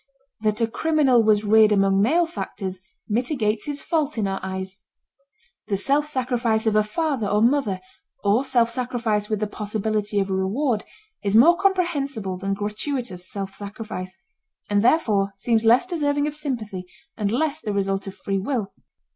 That a criminal was reared among malefactors mitigates his fault in our eyes. The self sacrifice of a father or mother, or self sacrifice with the possibility of a reward, is more comprehensible than gratuitous self sacrifice, and therefore seems less deserving of sympathy and less the result of free will.